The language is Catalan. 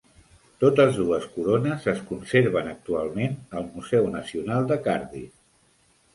Totes dues corones es conserven actualment al Museu Nacional de Cardiff.